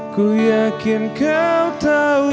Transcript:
kuyakin kau tahu